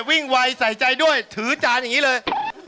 ไวใส่ใจด้วยถือจานอย่างนี้เลย